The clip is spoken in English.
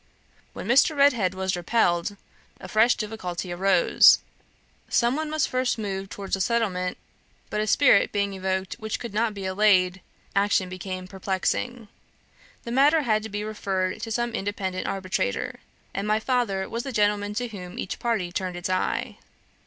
"When Mr. Redhead was repelled, a fresh difficulty arose. Some one must first move towards a settlement, but a spirit being evoked which could not be allayed, action became perplexing. The matter had to be referred to some independent arbitrator, and my father was the gentleman to whom each party turned its eye.